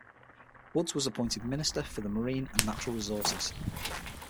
Woods was appointed Minister for the Marine and Natural Resources.